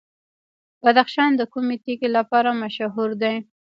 بدخشان د کومې تیږې لپاره مشهور دی؟